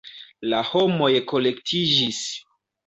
La homoj kolektiĝis.